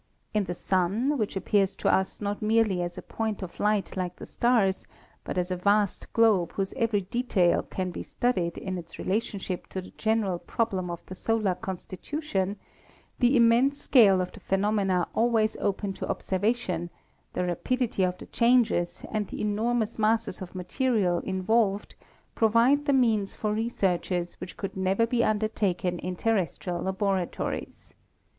In the Sun, which appears to us not merely as a point of light like the stars, but as a vast globe whose every detail can be studied in its relation * ship to the general problem of the solar constitution, the immense scale of the phenomena always open to observa tion, the rapidity of the changes and the enormous masses of material involved provide the means for researches which could never be undertaken in terrestrial labora tories.